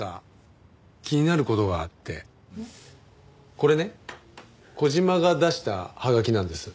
これね小島が出したはがきなんです。